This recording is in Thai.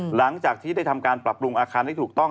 หลังจากที่ได้ทำการปรับปรุงอาคารให้ถูกต้อง